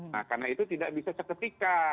nah karena itu tidak bisa seketika